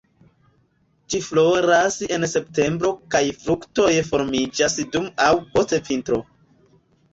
Ĝi floras en septembro kaj fruktoj formiĝas dum aŭ post vintro.